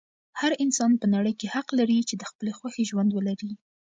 هر انسان په نړۍ کې حق لري چې د خپلې خوښې ژوند ولري.